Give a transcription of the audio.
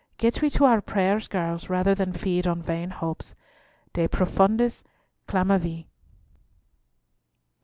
Get we to our prayers, girls, rather than feed on vain hopes. De profundis clamavi."